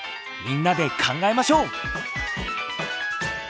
みんなで考えましょう。